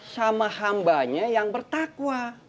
sama hambanya yang bertakwa